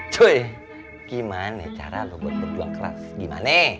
cuy gimane cara lu buat berjuang keras gimane